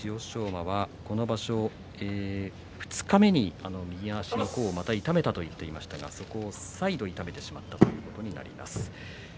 馬はこの場所二日目に右足の甲をまた痛めたと言っていましたがそこを再度、痛めてしまったということになります。